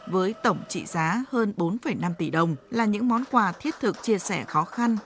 với tổng trị giá hơn bốn năm tỷ đồng là những món quà thiết thực chia sẻ khó khăn